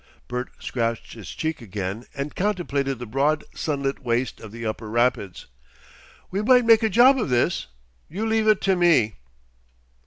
Bert scratched his cheek again and contemplated the broad sunlit waste of the Upper Rapids. "We might make a job of this.... You leave it to me."